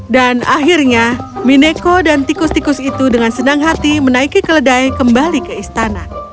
dan akhirnya mineko dan tikus tikus itu dengan senang hati menaiki keledai kembali ke istana